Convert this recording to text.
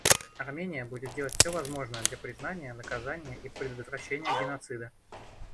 Армения будет делать все возможное для признания, наказания и предотвращения геноцида.